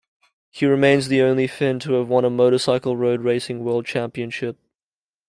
He remains the only Finn to have won a motorcycle road racing world championship.